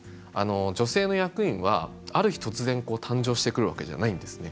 女性の役員は、ある日突然誕生してくるわけじゃないんですね。